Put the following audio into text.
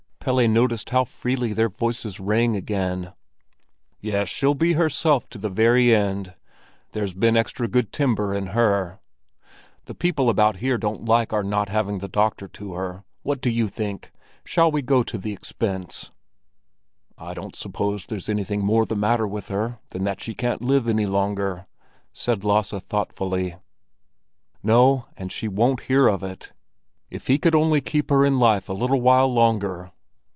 Pelle noticed how freely their voices rang again. "Yes, she'll be herself to the very end; there's been extra good timber in her. The people about here don't like our not having the doctor to her. What do you think? Shall we go to the expense?" "I don't suppose there's anything more the matter with her than that she can't live any longer," said Lasse thoughtfully. "No, and she herself won't hear of it. If he could only keep life in her a little while longer!"